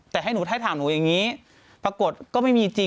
แต่ให้หนูถ้าถามหนูอย่างนี้ปรากฏก็ไม่มีจริง